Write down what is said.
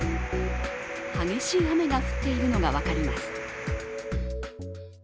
激しい雨が降っているのが分かります。